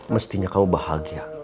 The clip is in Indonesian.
mestinya kamu bahagia